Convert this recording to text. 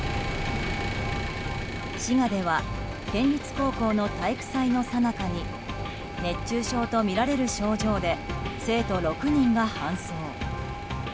滋賀では県立高校の体育祭のさなかに熱中症とみられる症状で生徒６人が搬送。